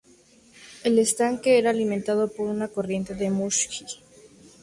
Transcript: El estanque era alimentado por una corriente de Mōtsū-ji.